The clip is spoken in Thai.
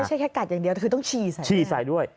ไม่ใช่แค่กัดอย่างเดียวคือต้องชีใส่ด้วย